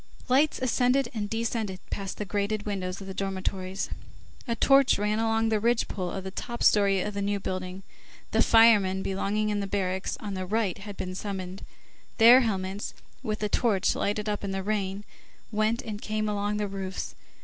Lights ascended and descended past the grated windows of the dormitories, a torch ran along the ridge pole of the top story of the New Building, the firemen belonging in the barracks on the right had been summoned. Their helmets, which the torch lighted up in the rain, went and came along the roofs.